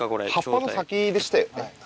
葉っぱの先でしたよね。